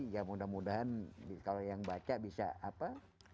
ya mudah mudahan kalau yang baca bisa apa